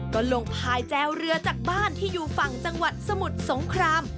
ก็ลงพายแจวเรือจากบ้านที่อยู่ฝั่งจังหวัดสมุทรสงคราม